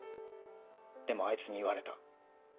でもあいつに言われた。